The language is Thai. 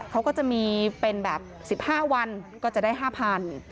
เขาก็จะมีเป็นแบบ๑๕วันก็จะได้๕๐๐บาท